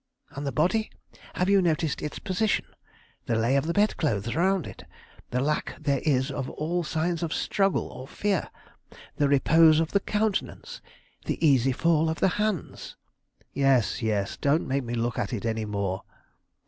"And the body? Have you noticed its position? the lay of the bed clothes around it? the lack there is of all signs of struggle or fear? the repose of the countenance? the easy fall of the hands?" "Yes, yes; don't make me look at it any more."